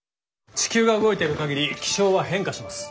地球が動いてる限り気象は変化します。